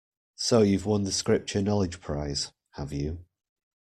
So you've won the Scripture-knowledge prize, have you?